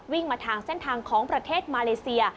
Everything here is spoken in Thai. วิ่งมาทางเส้นทางของประเทศมาเลเซีย